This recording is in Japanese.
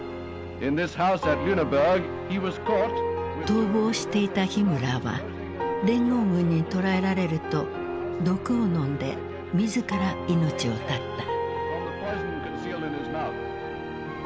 逃亡していたヒムラーは連合軍に捕らえられると毒を飲んで自ら命を絶った。